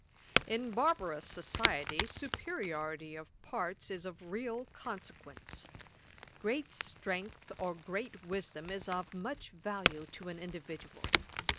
'In barbarous society, superiority of parts is of real consequence. Great strength or great wisdom is of much value to an individual.